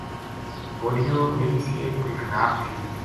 بولیو میری صحت کوئی خراب تھی۔